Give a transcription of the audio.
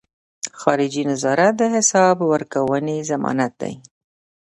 خارجي نظارت د حساب ورکونې ضمانت دی.